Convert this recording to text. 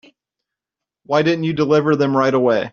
Why didn't you deliver them right away?